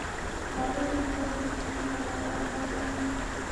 • واده د ژوند د خوښۍ دروازه خلاصوي.